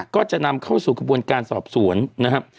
ก็จะนำเข้าสู่กระบวนการสอบสวนนะครับ